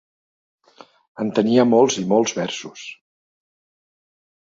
En tenia molts i molts versos.